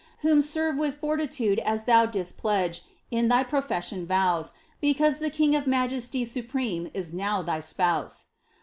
Whom serve with fortitude as thou didst pledge In thy profession vows. Because the King of Majesty supreme Is now thy Spouse